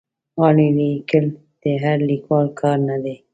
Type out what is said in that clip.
غاړې لیکل د هر لیکوال کار نه دی.